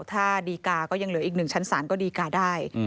ถ้าดีกาก็ยังเหลืออีก๑ชั้นศาลก็ดีกาได้